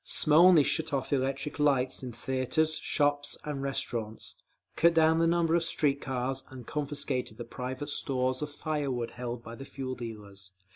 Smolny shut off all electric lights in theatres, shops and restaurants, cut down the number of street cars, and confiscated the private stores of fire wood held by the fuel dealers….